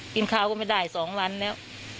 กินข้าวก็ไม่ได้๒วันแล้ว